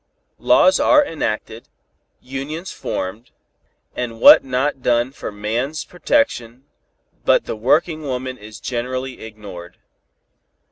Laws are enacted, unions formed, and what not done for man's protection, but the working woman is generally ignored.